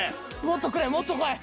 もっとくれもっと来い！